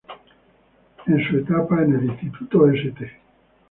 En su etapa en el Instituto St.